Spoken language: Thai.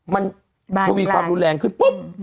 มันทวีความรุนแรงขึ้นปุ๊บ